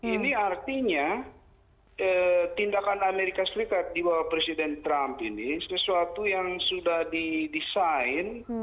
ini artinya tindakan amerika serikat di bawah presiden trump ini sesuatu yang sudah didesain